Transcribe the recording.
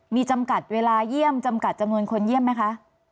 มีจำกัดเวลาเยี่ยมจำกัดจำนวนคนเยี่ยมไหมคะ